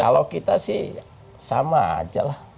kalau kita sih sama aja lah